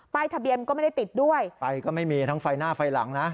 ป้ายทะเบียนมันก็ไม่ได้ติดด้วยป้ายก็ไม่มีทั้งไฟหน้าไฟหลังน่ะ